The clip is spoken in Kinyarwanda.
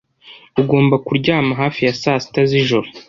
Ugomba kuryama Hafi ya saa sita zijoro